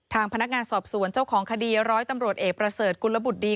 ทางพนักงานสอบสวนเจ้าของคดีร้อยตำรวจเอกประเสริฐกุลบุตรดี